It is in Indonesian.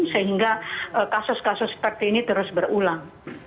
sehingga kasus kasus seperti ini terus berulang